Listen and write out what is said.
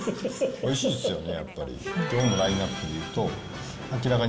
おいしいですよね。